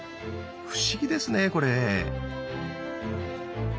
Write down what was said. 不思議ですねこれ。